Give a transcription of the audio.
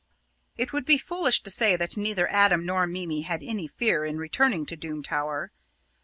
It would be foolish to say that neither Adam nor Mimi had any fear in returning to Doom Tower.